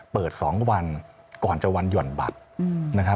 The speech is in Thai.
เปิด๒วันก่อนจะวันหย่อนบัตร